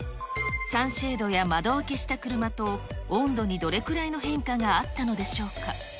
サンシェードや窓開けした車と温度にどれぐらいの変化があったのでしょうか。